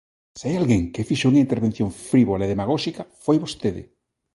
Se hai alguén que fixo unha intervención frívola e demagóxica foi vostede.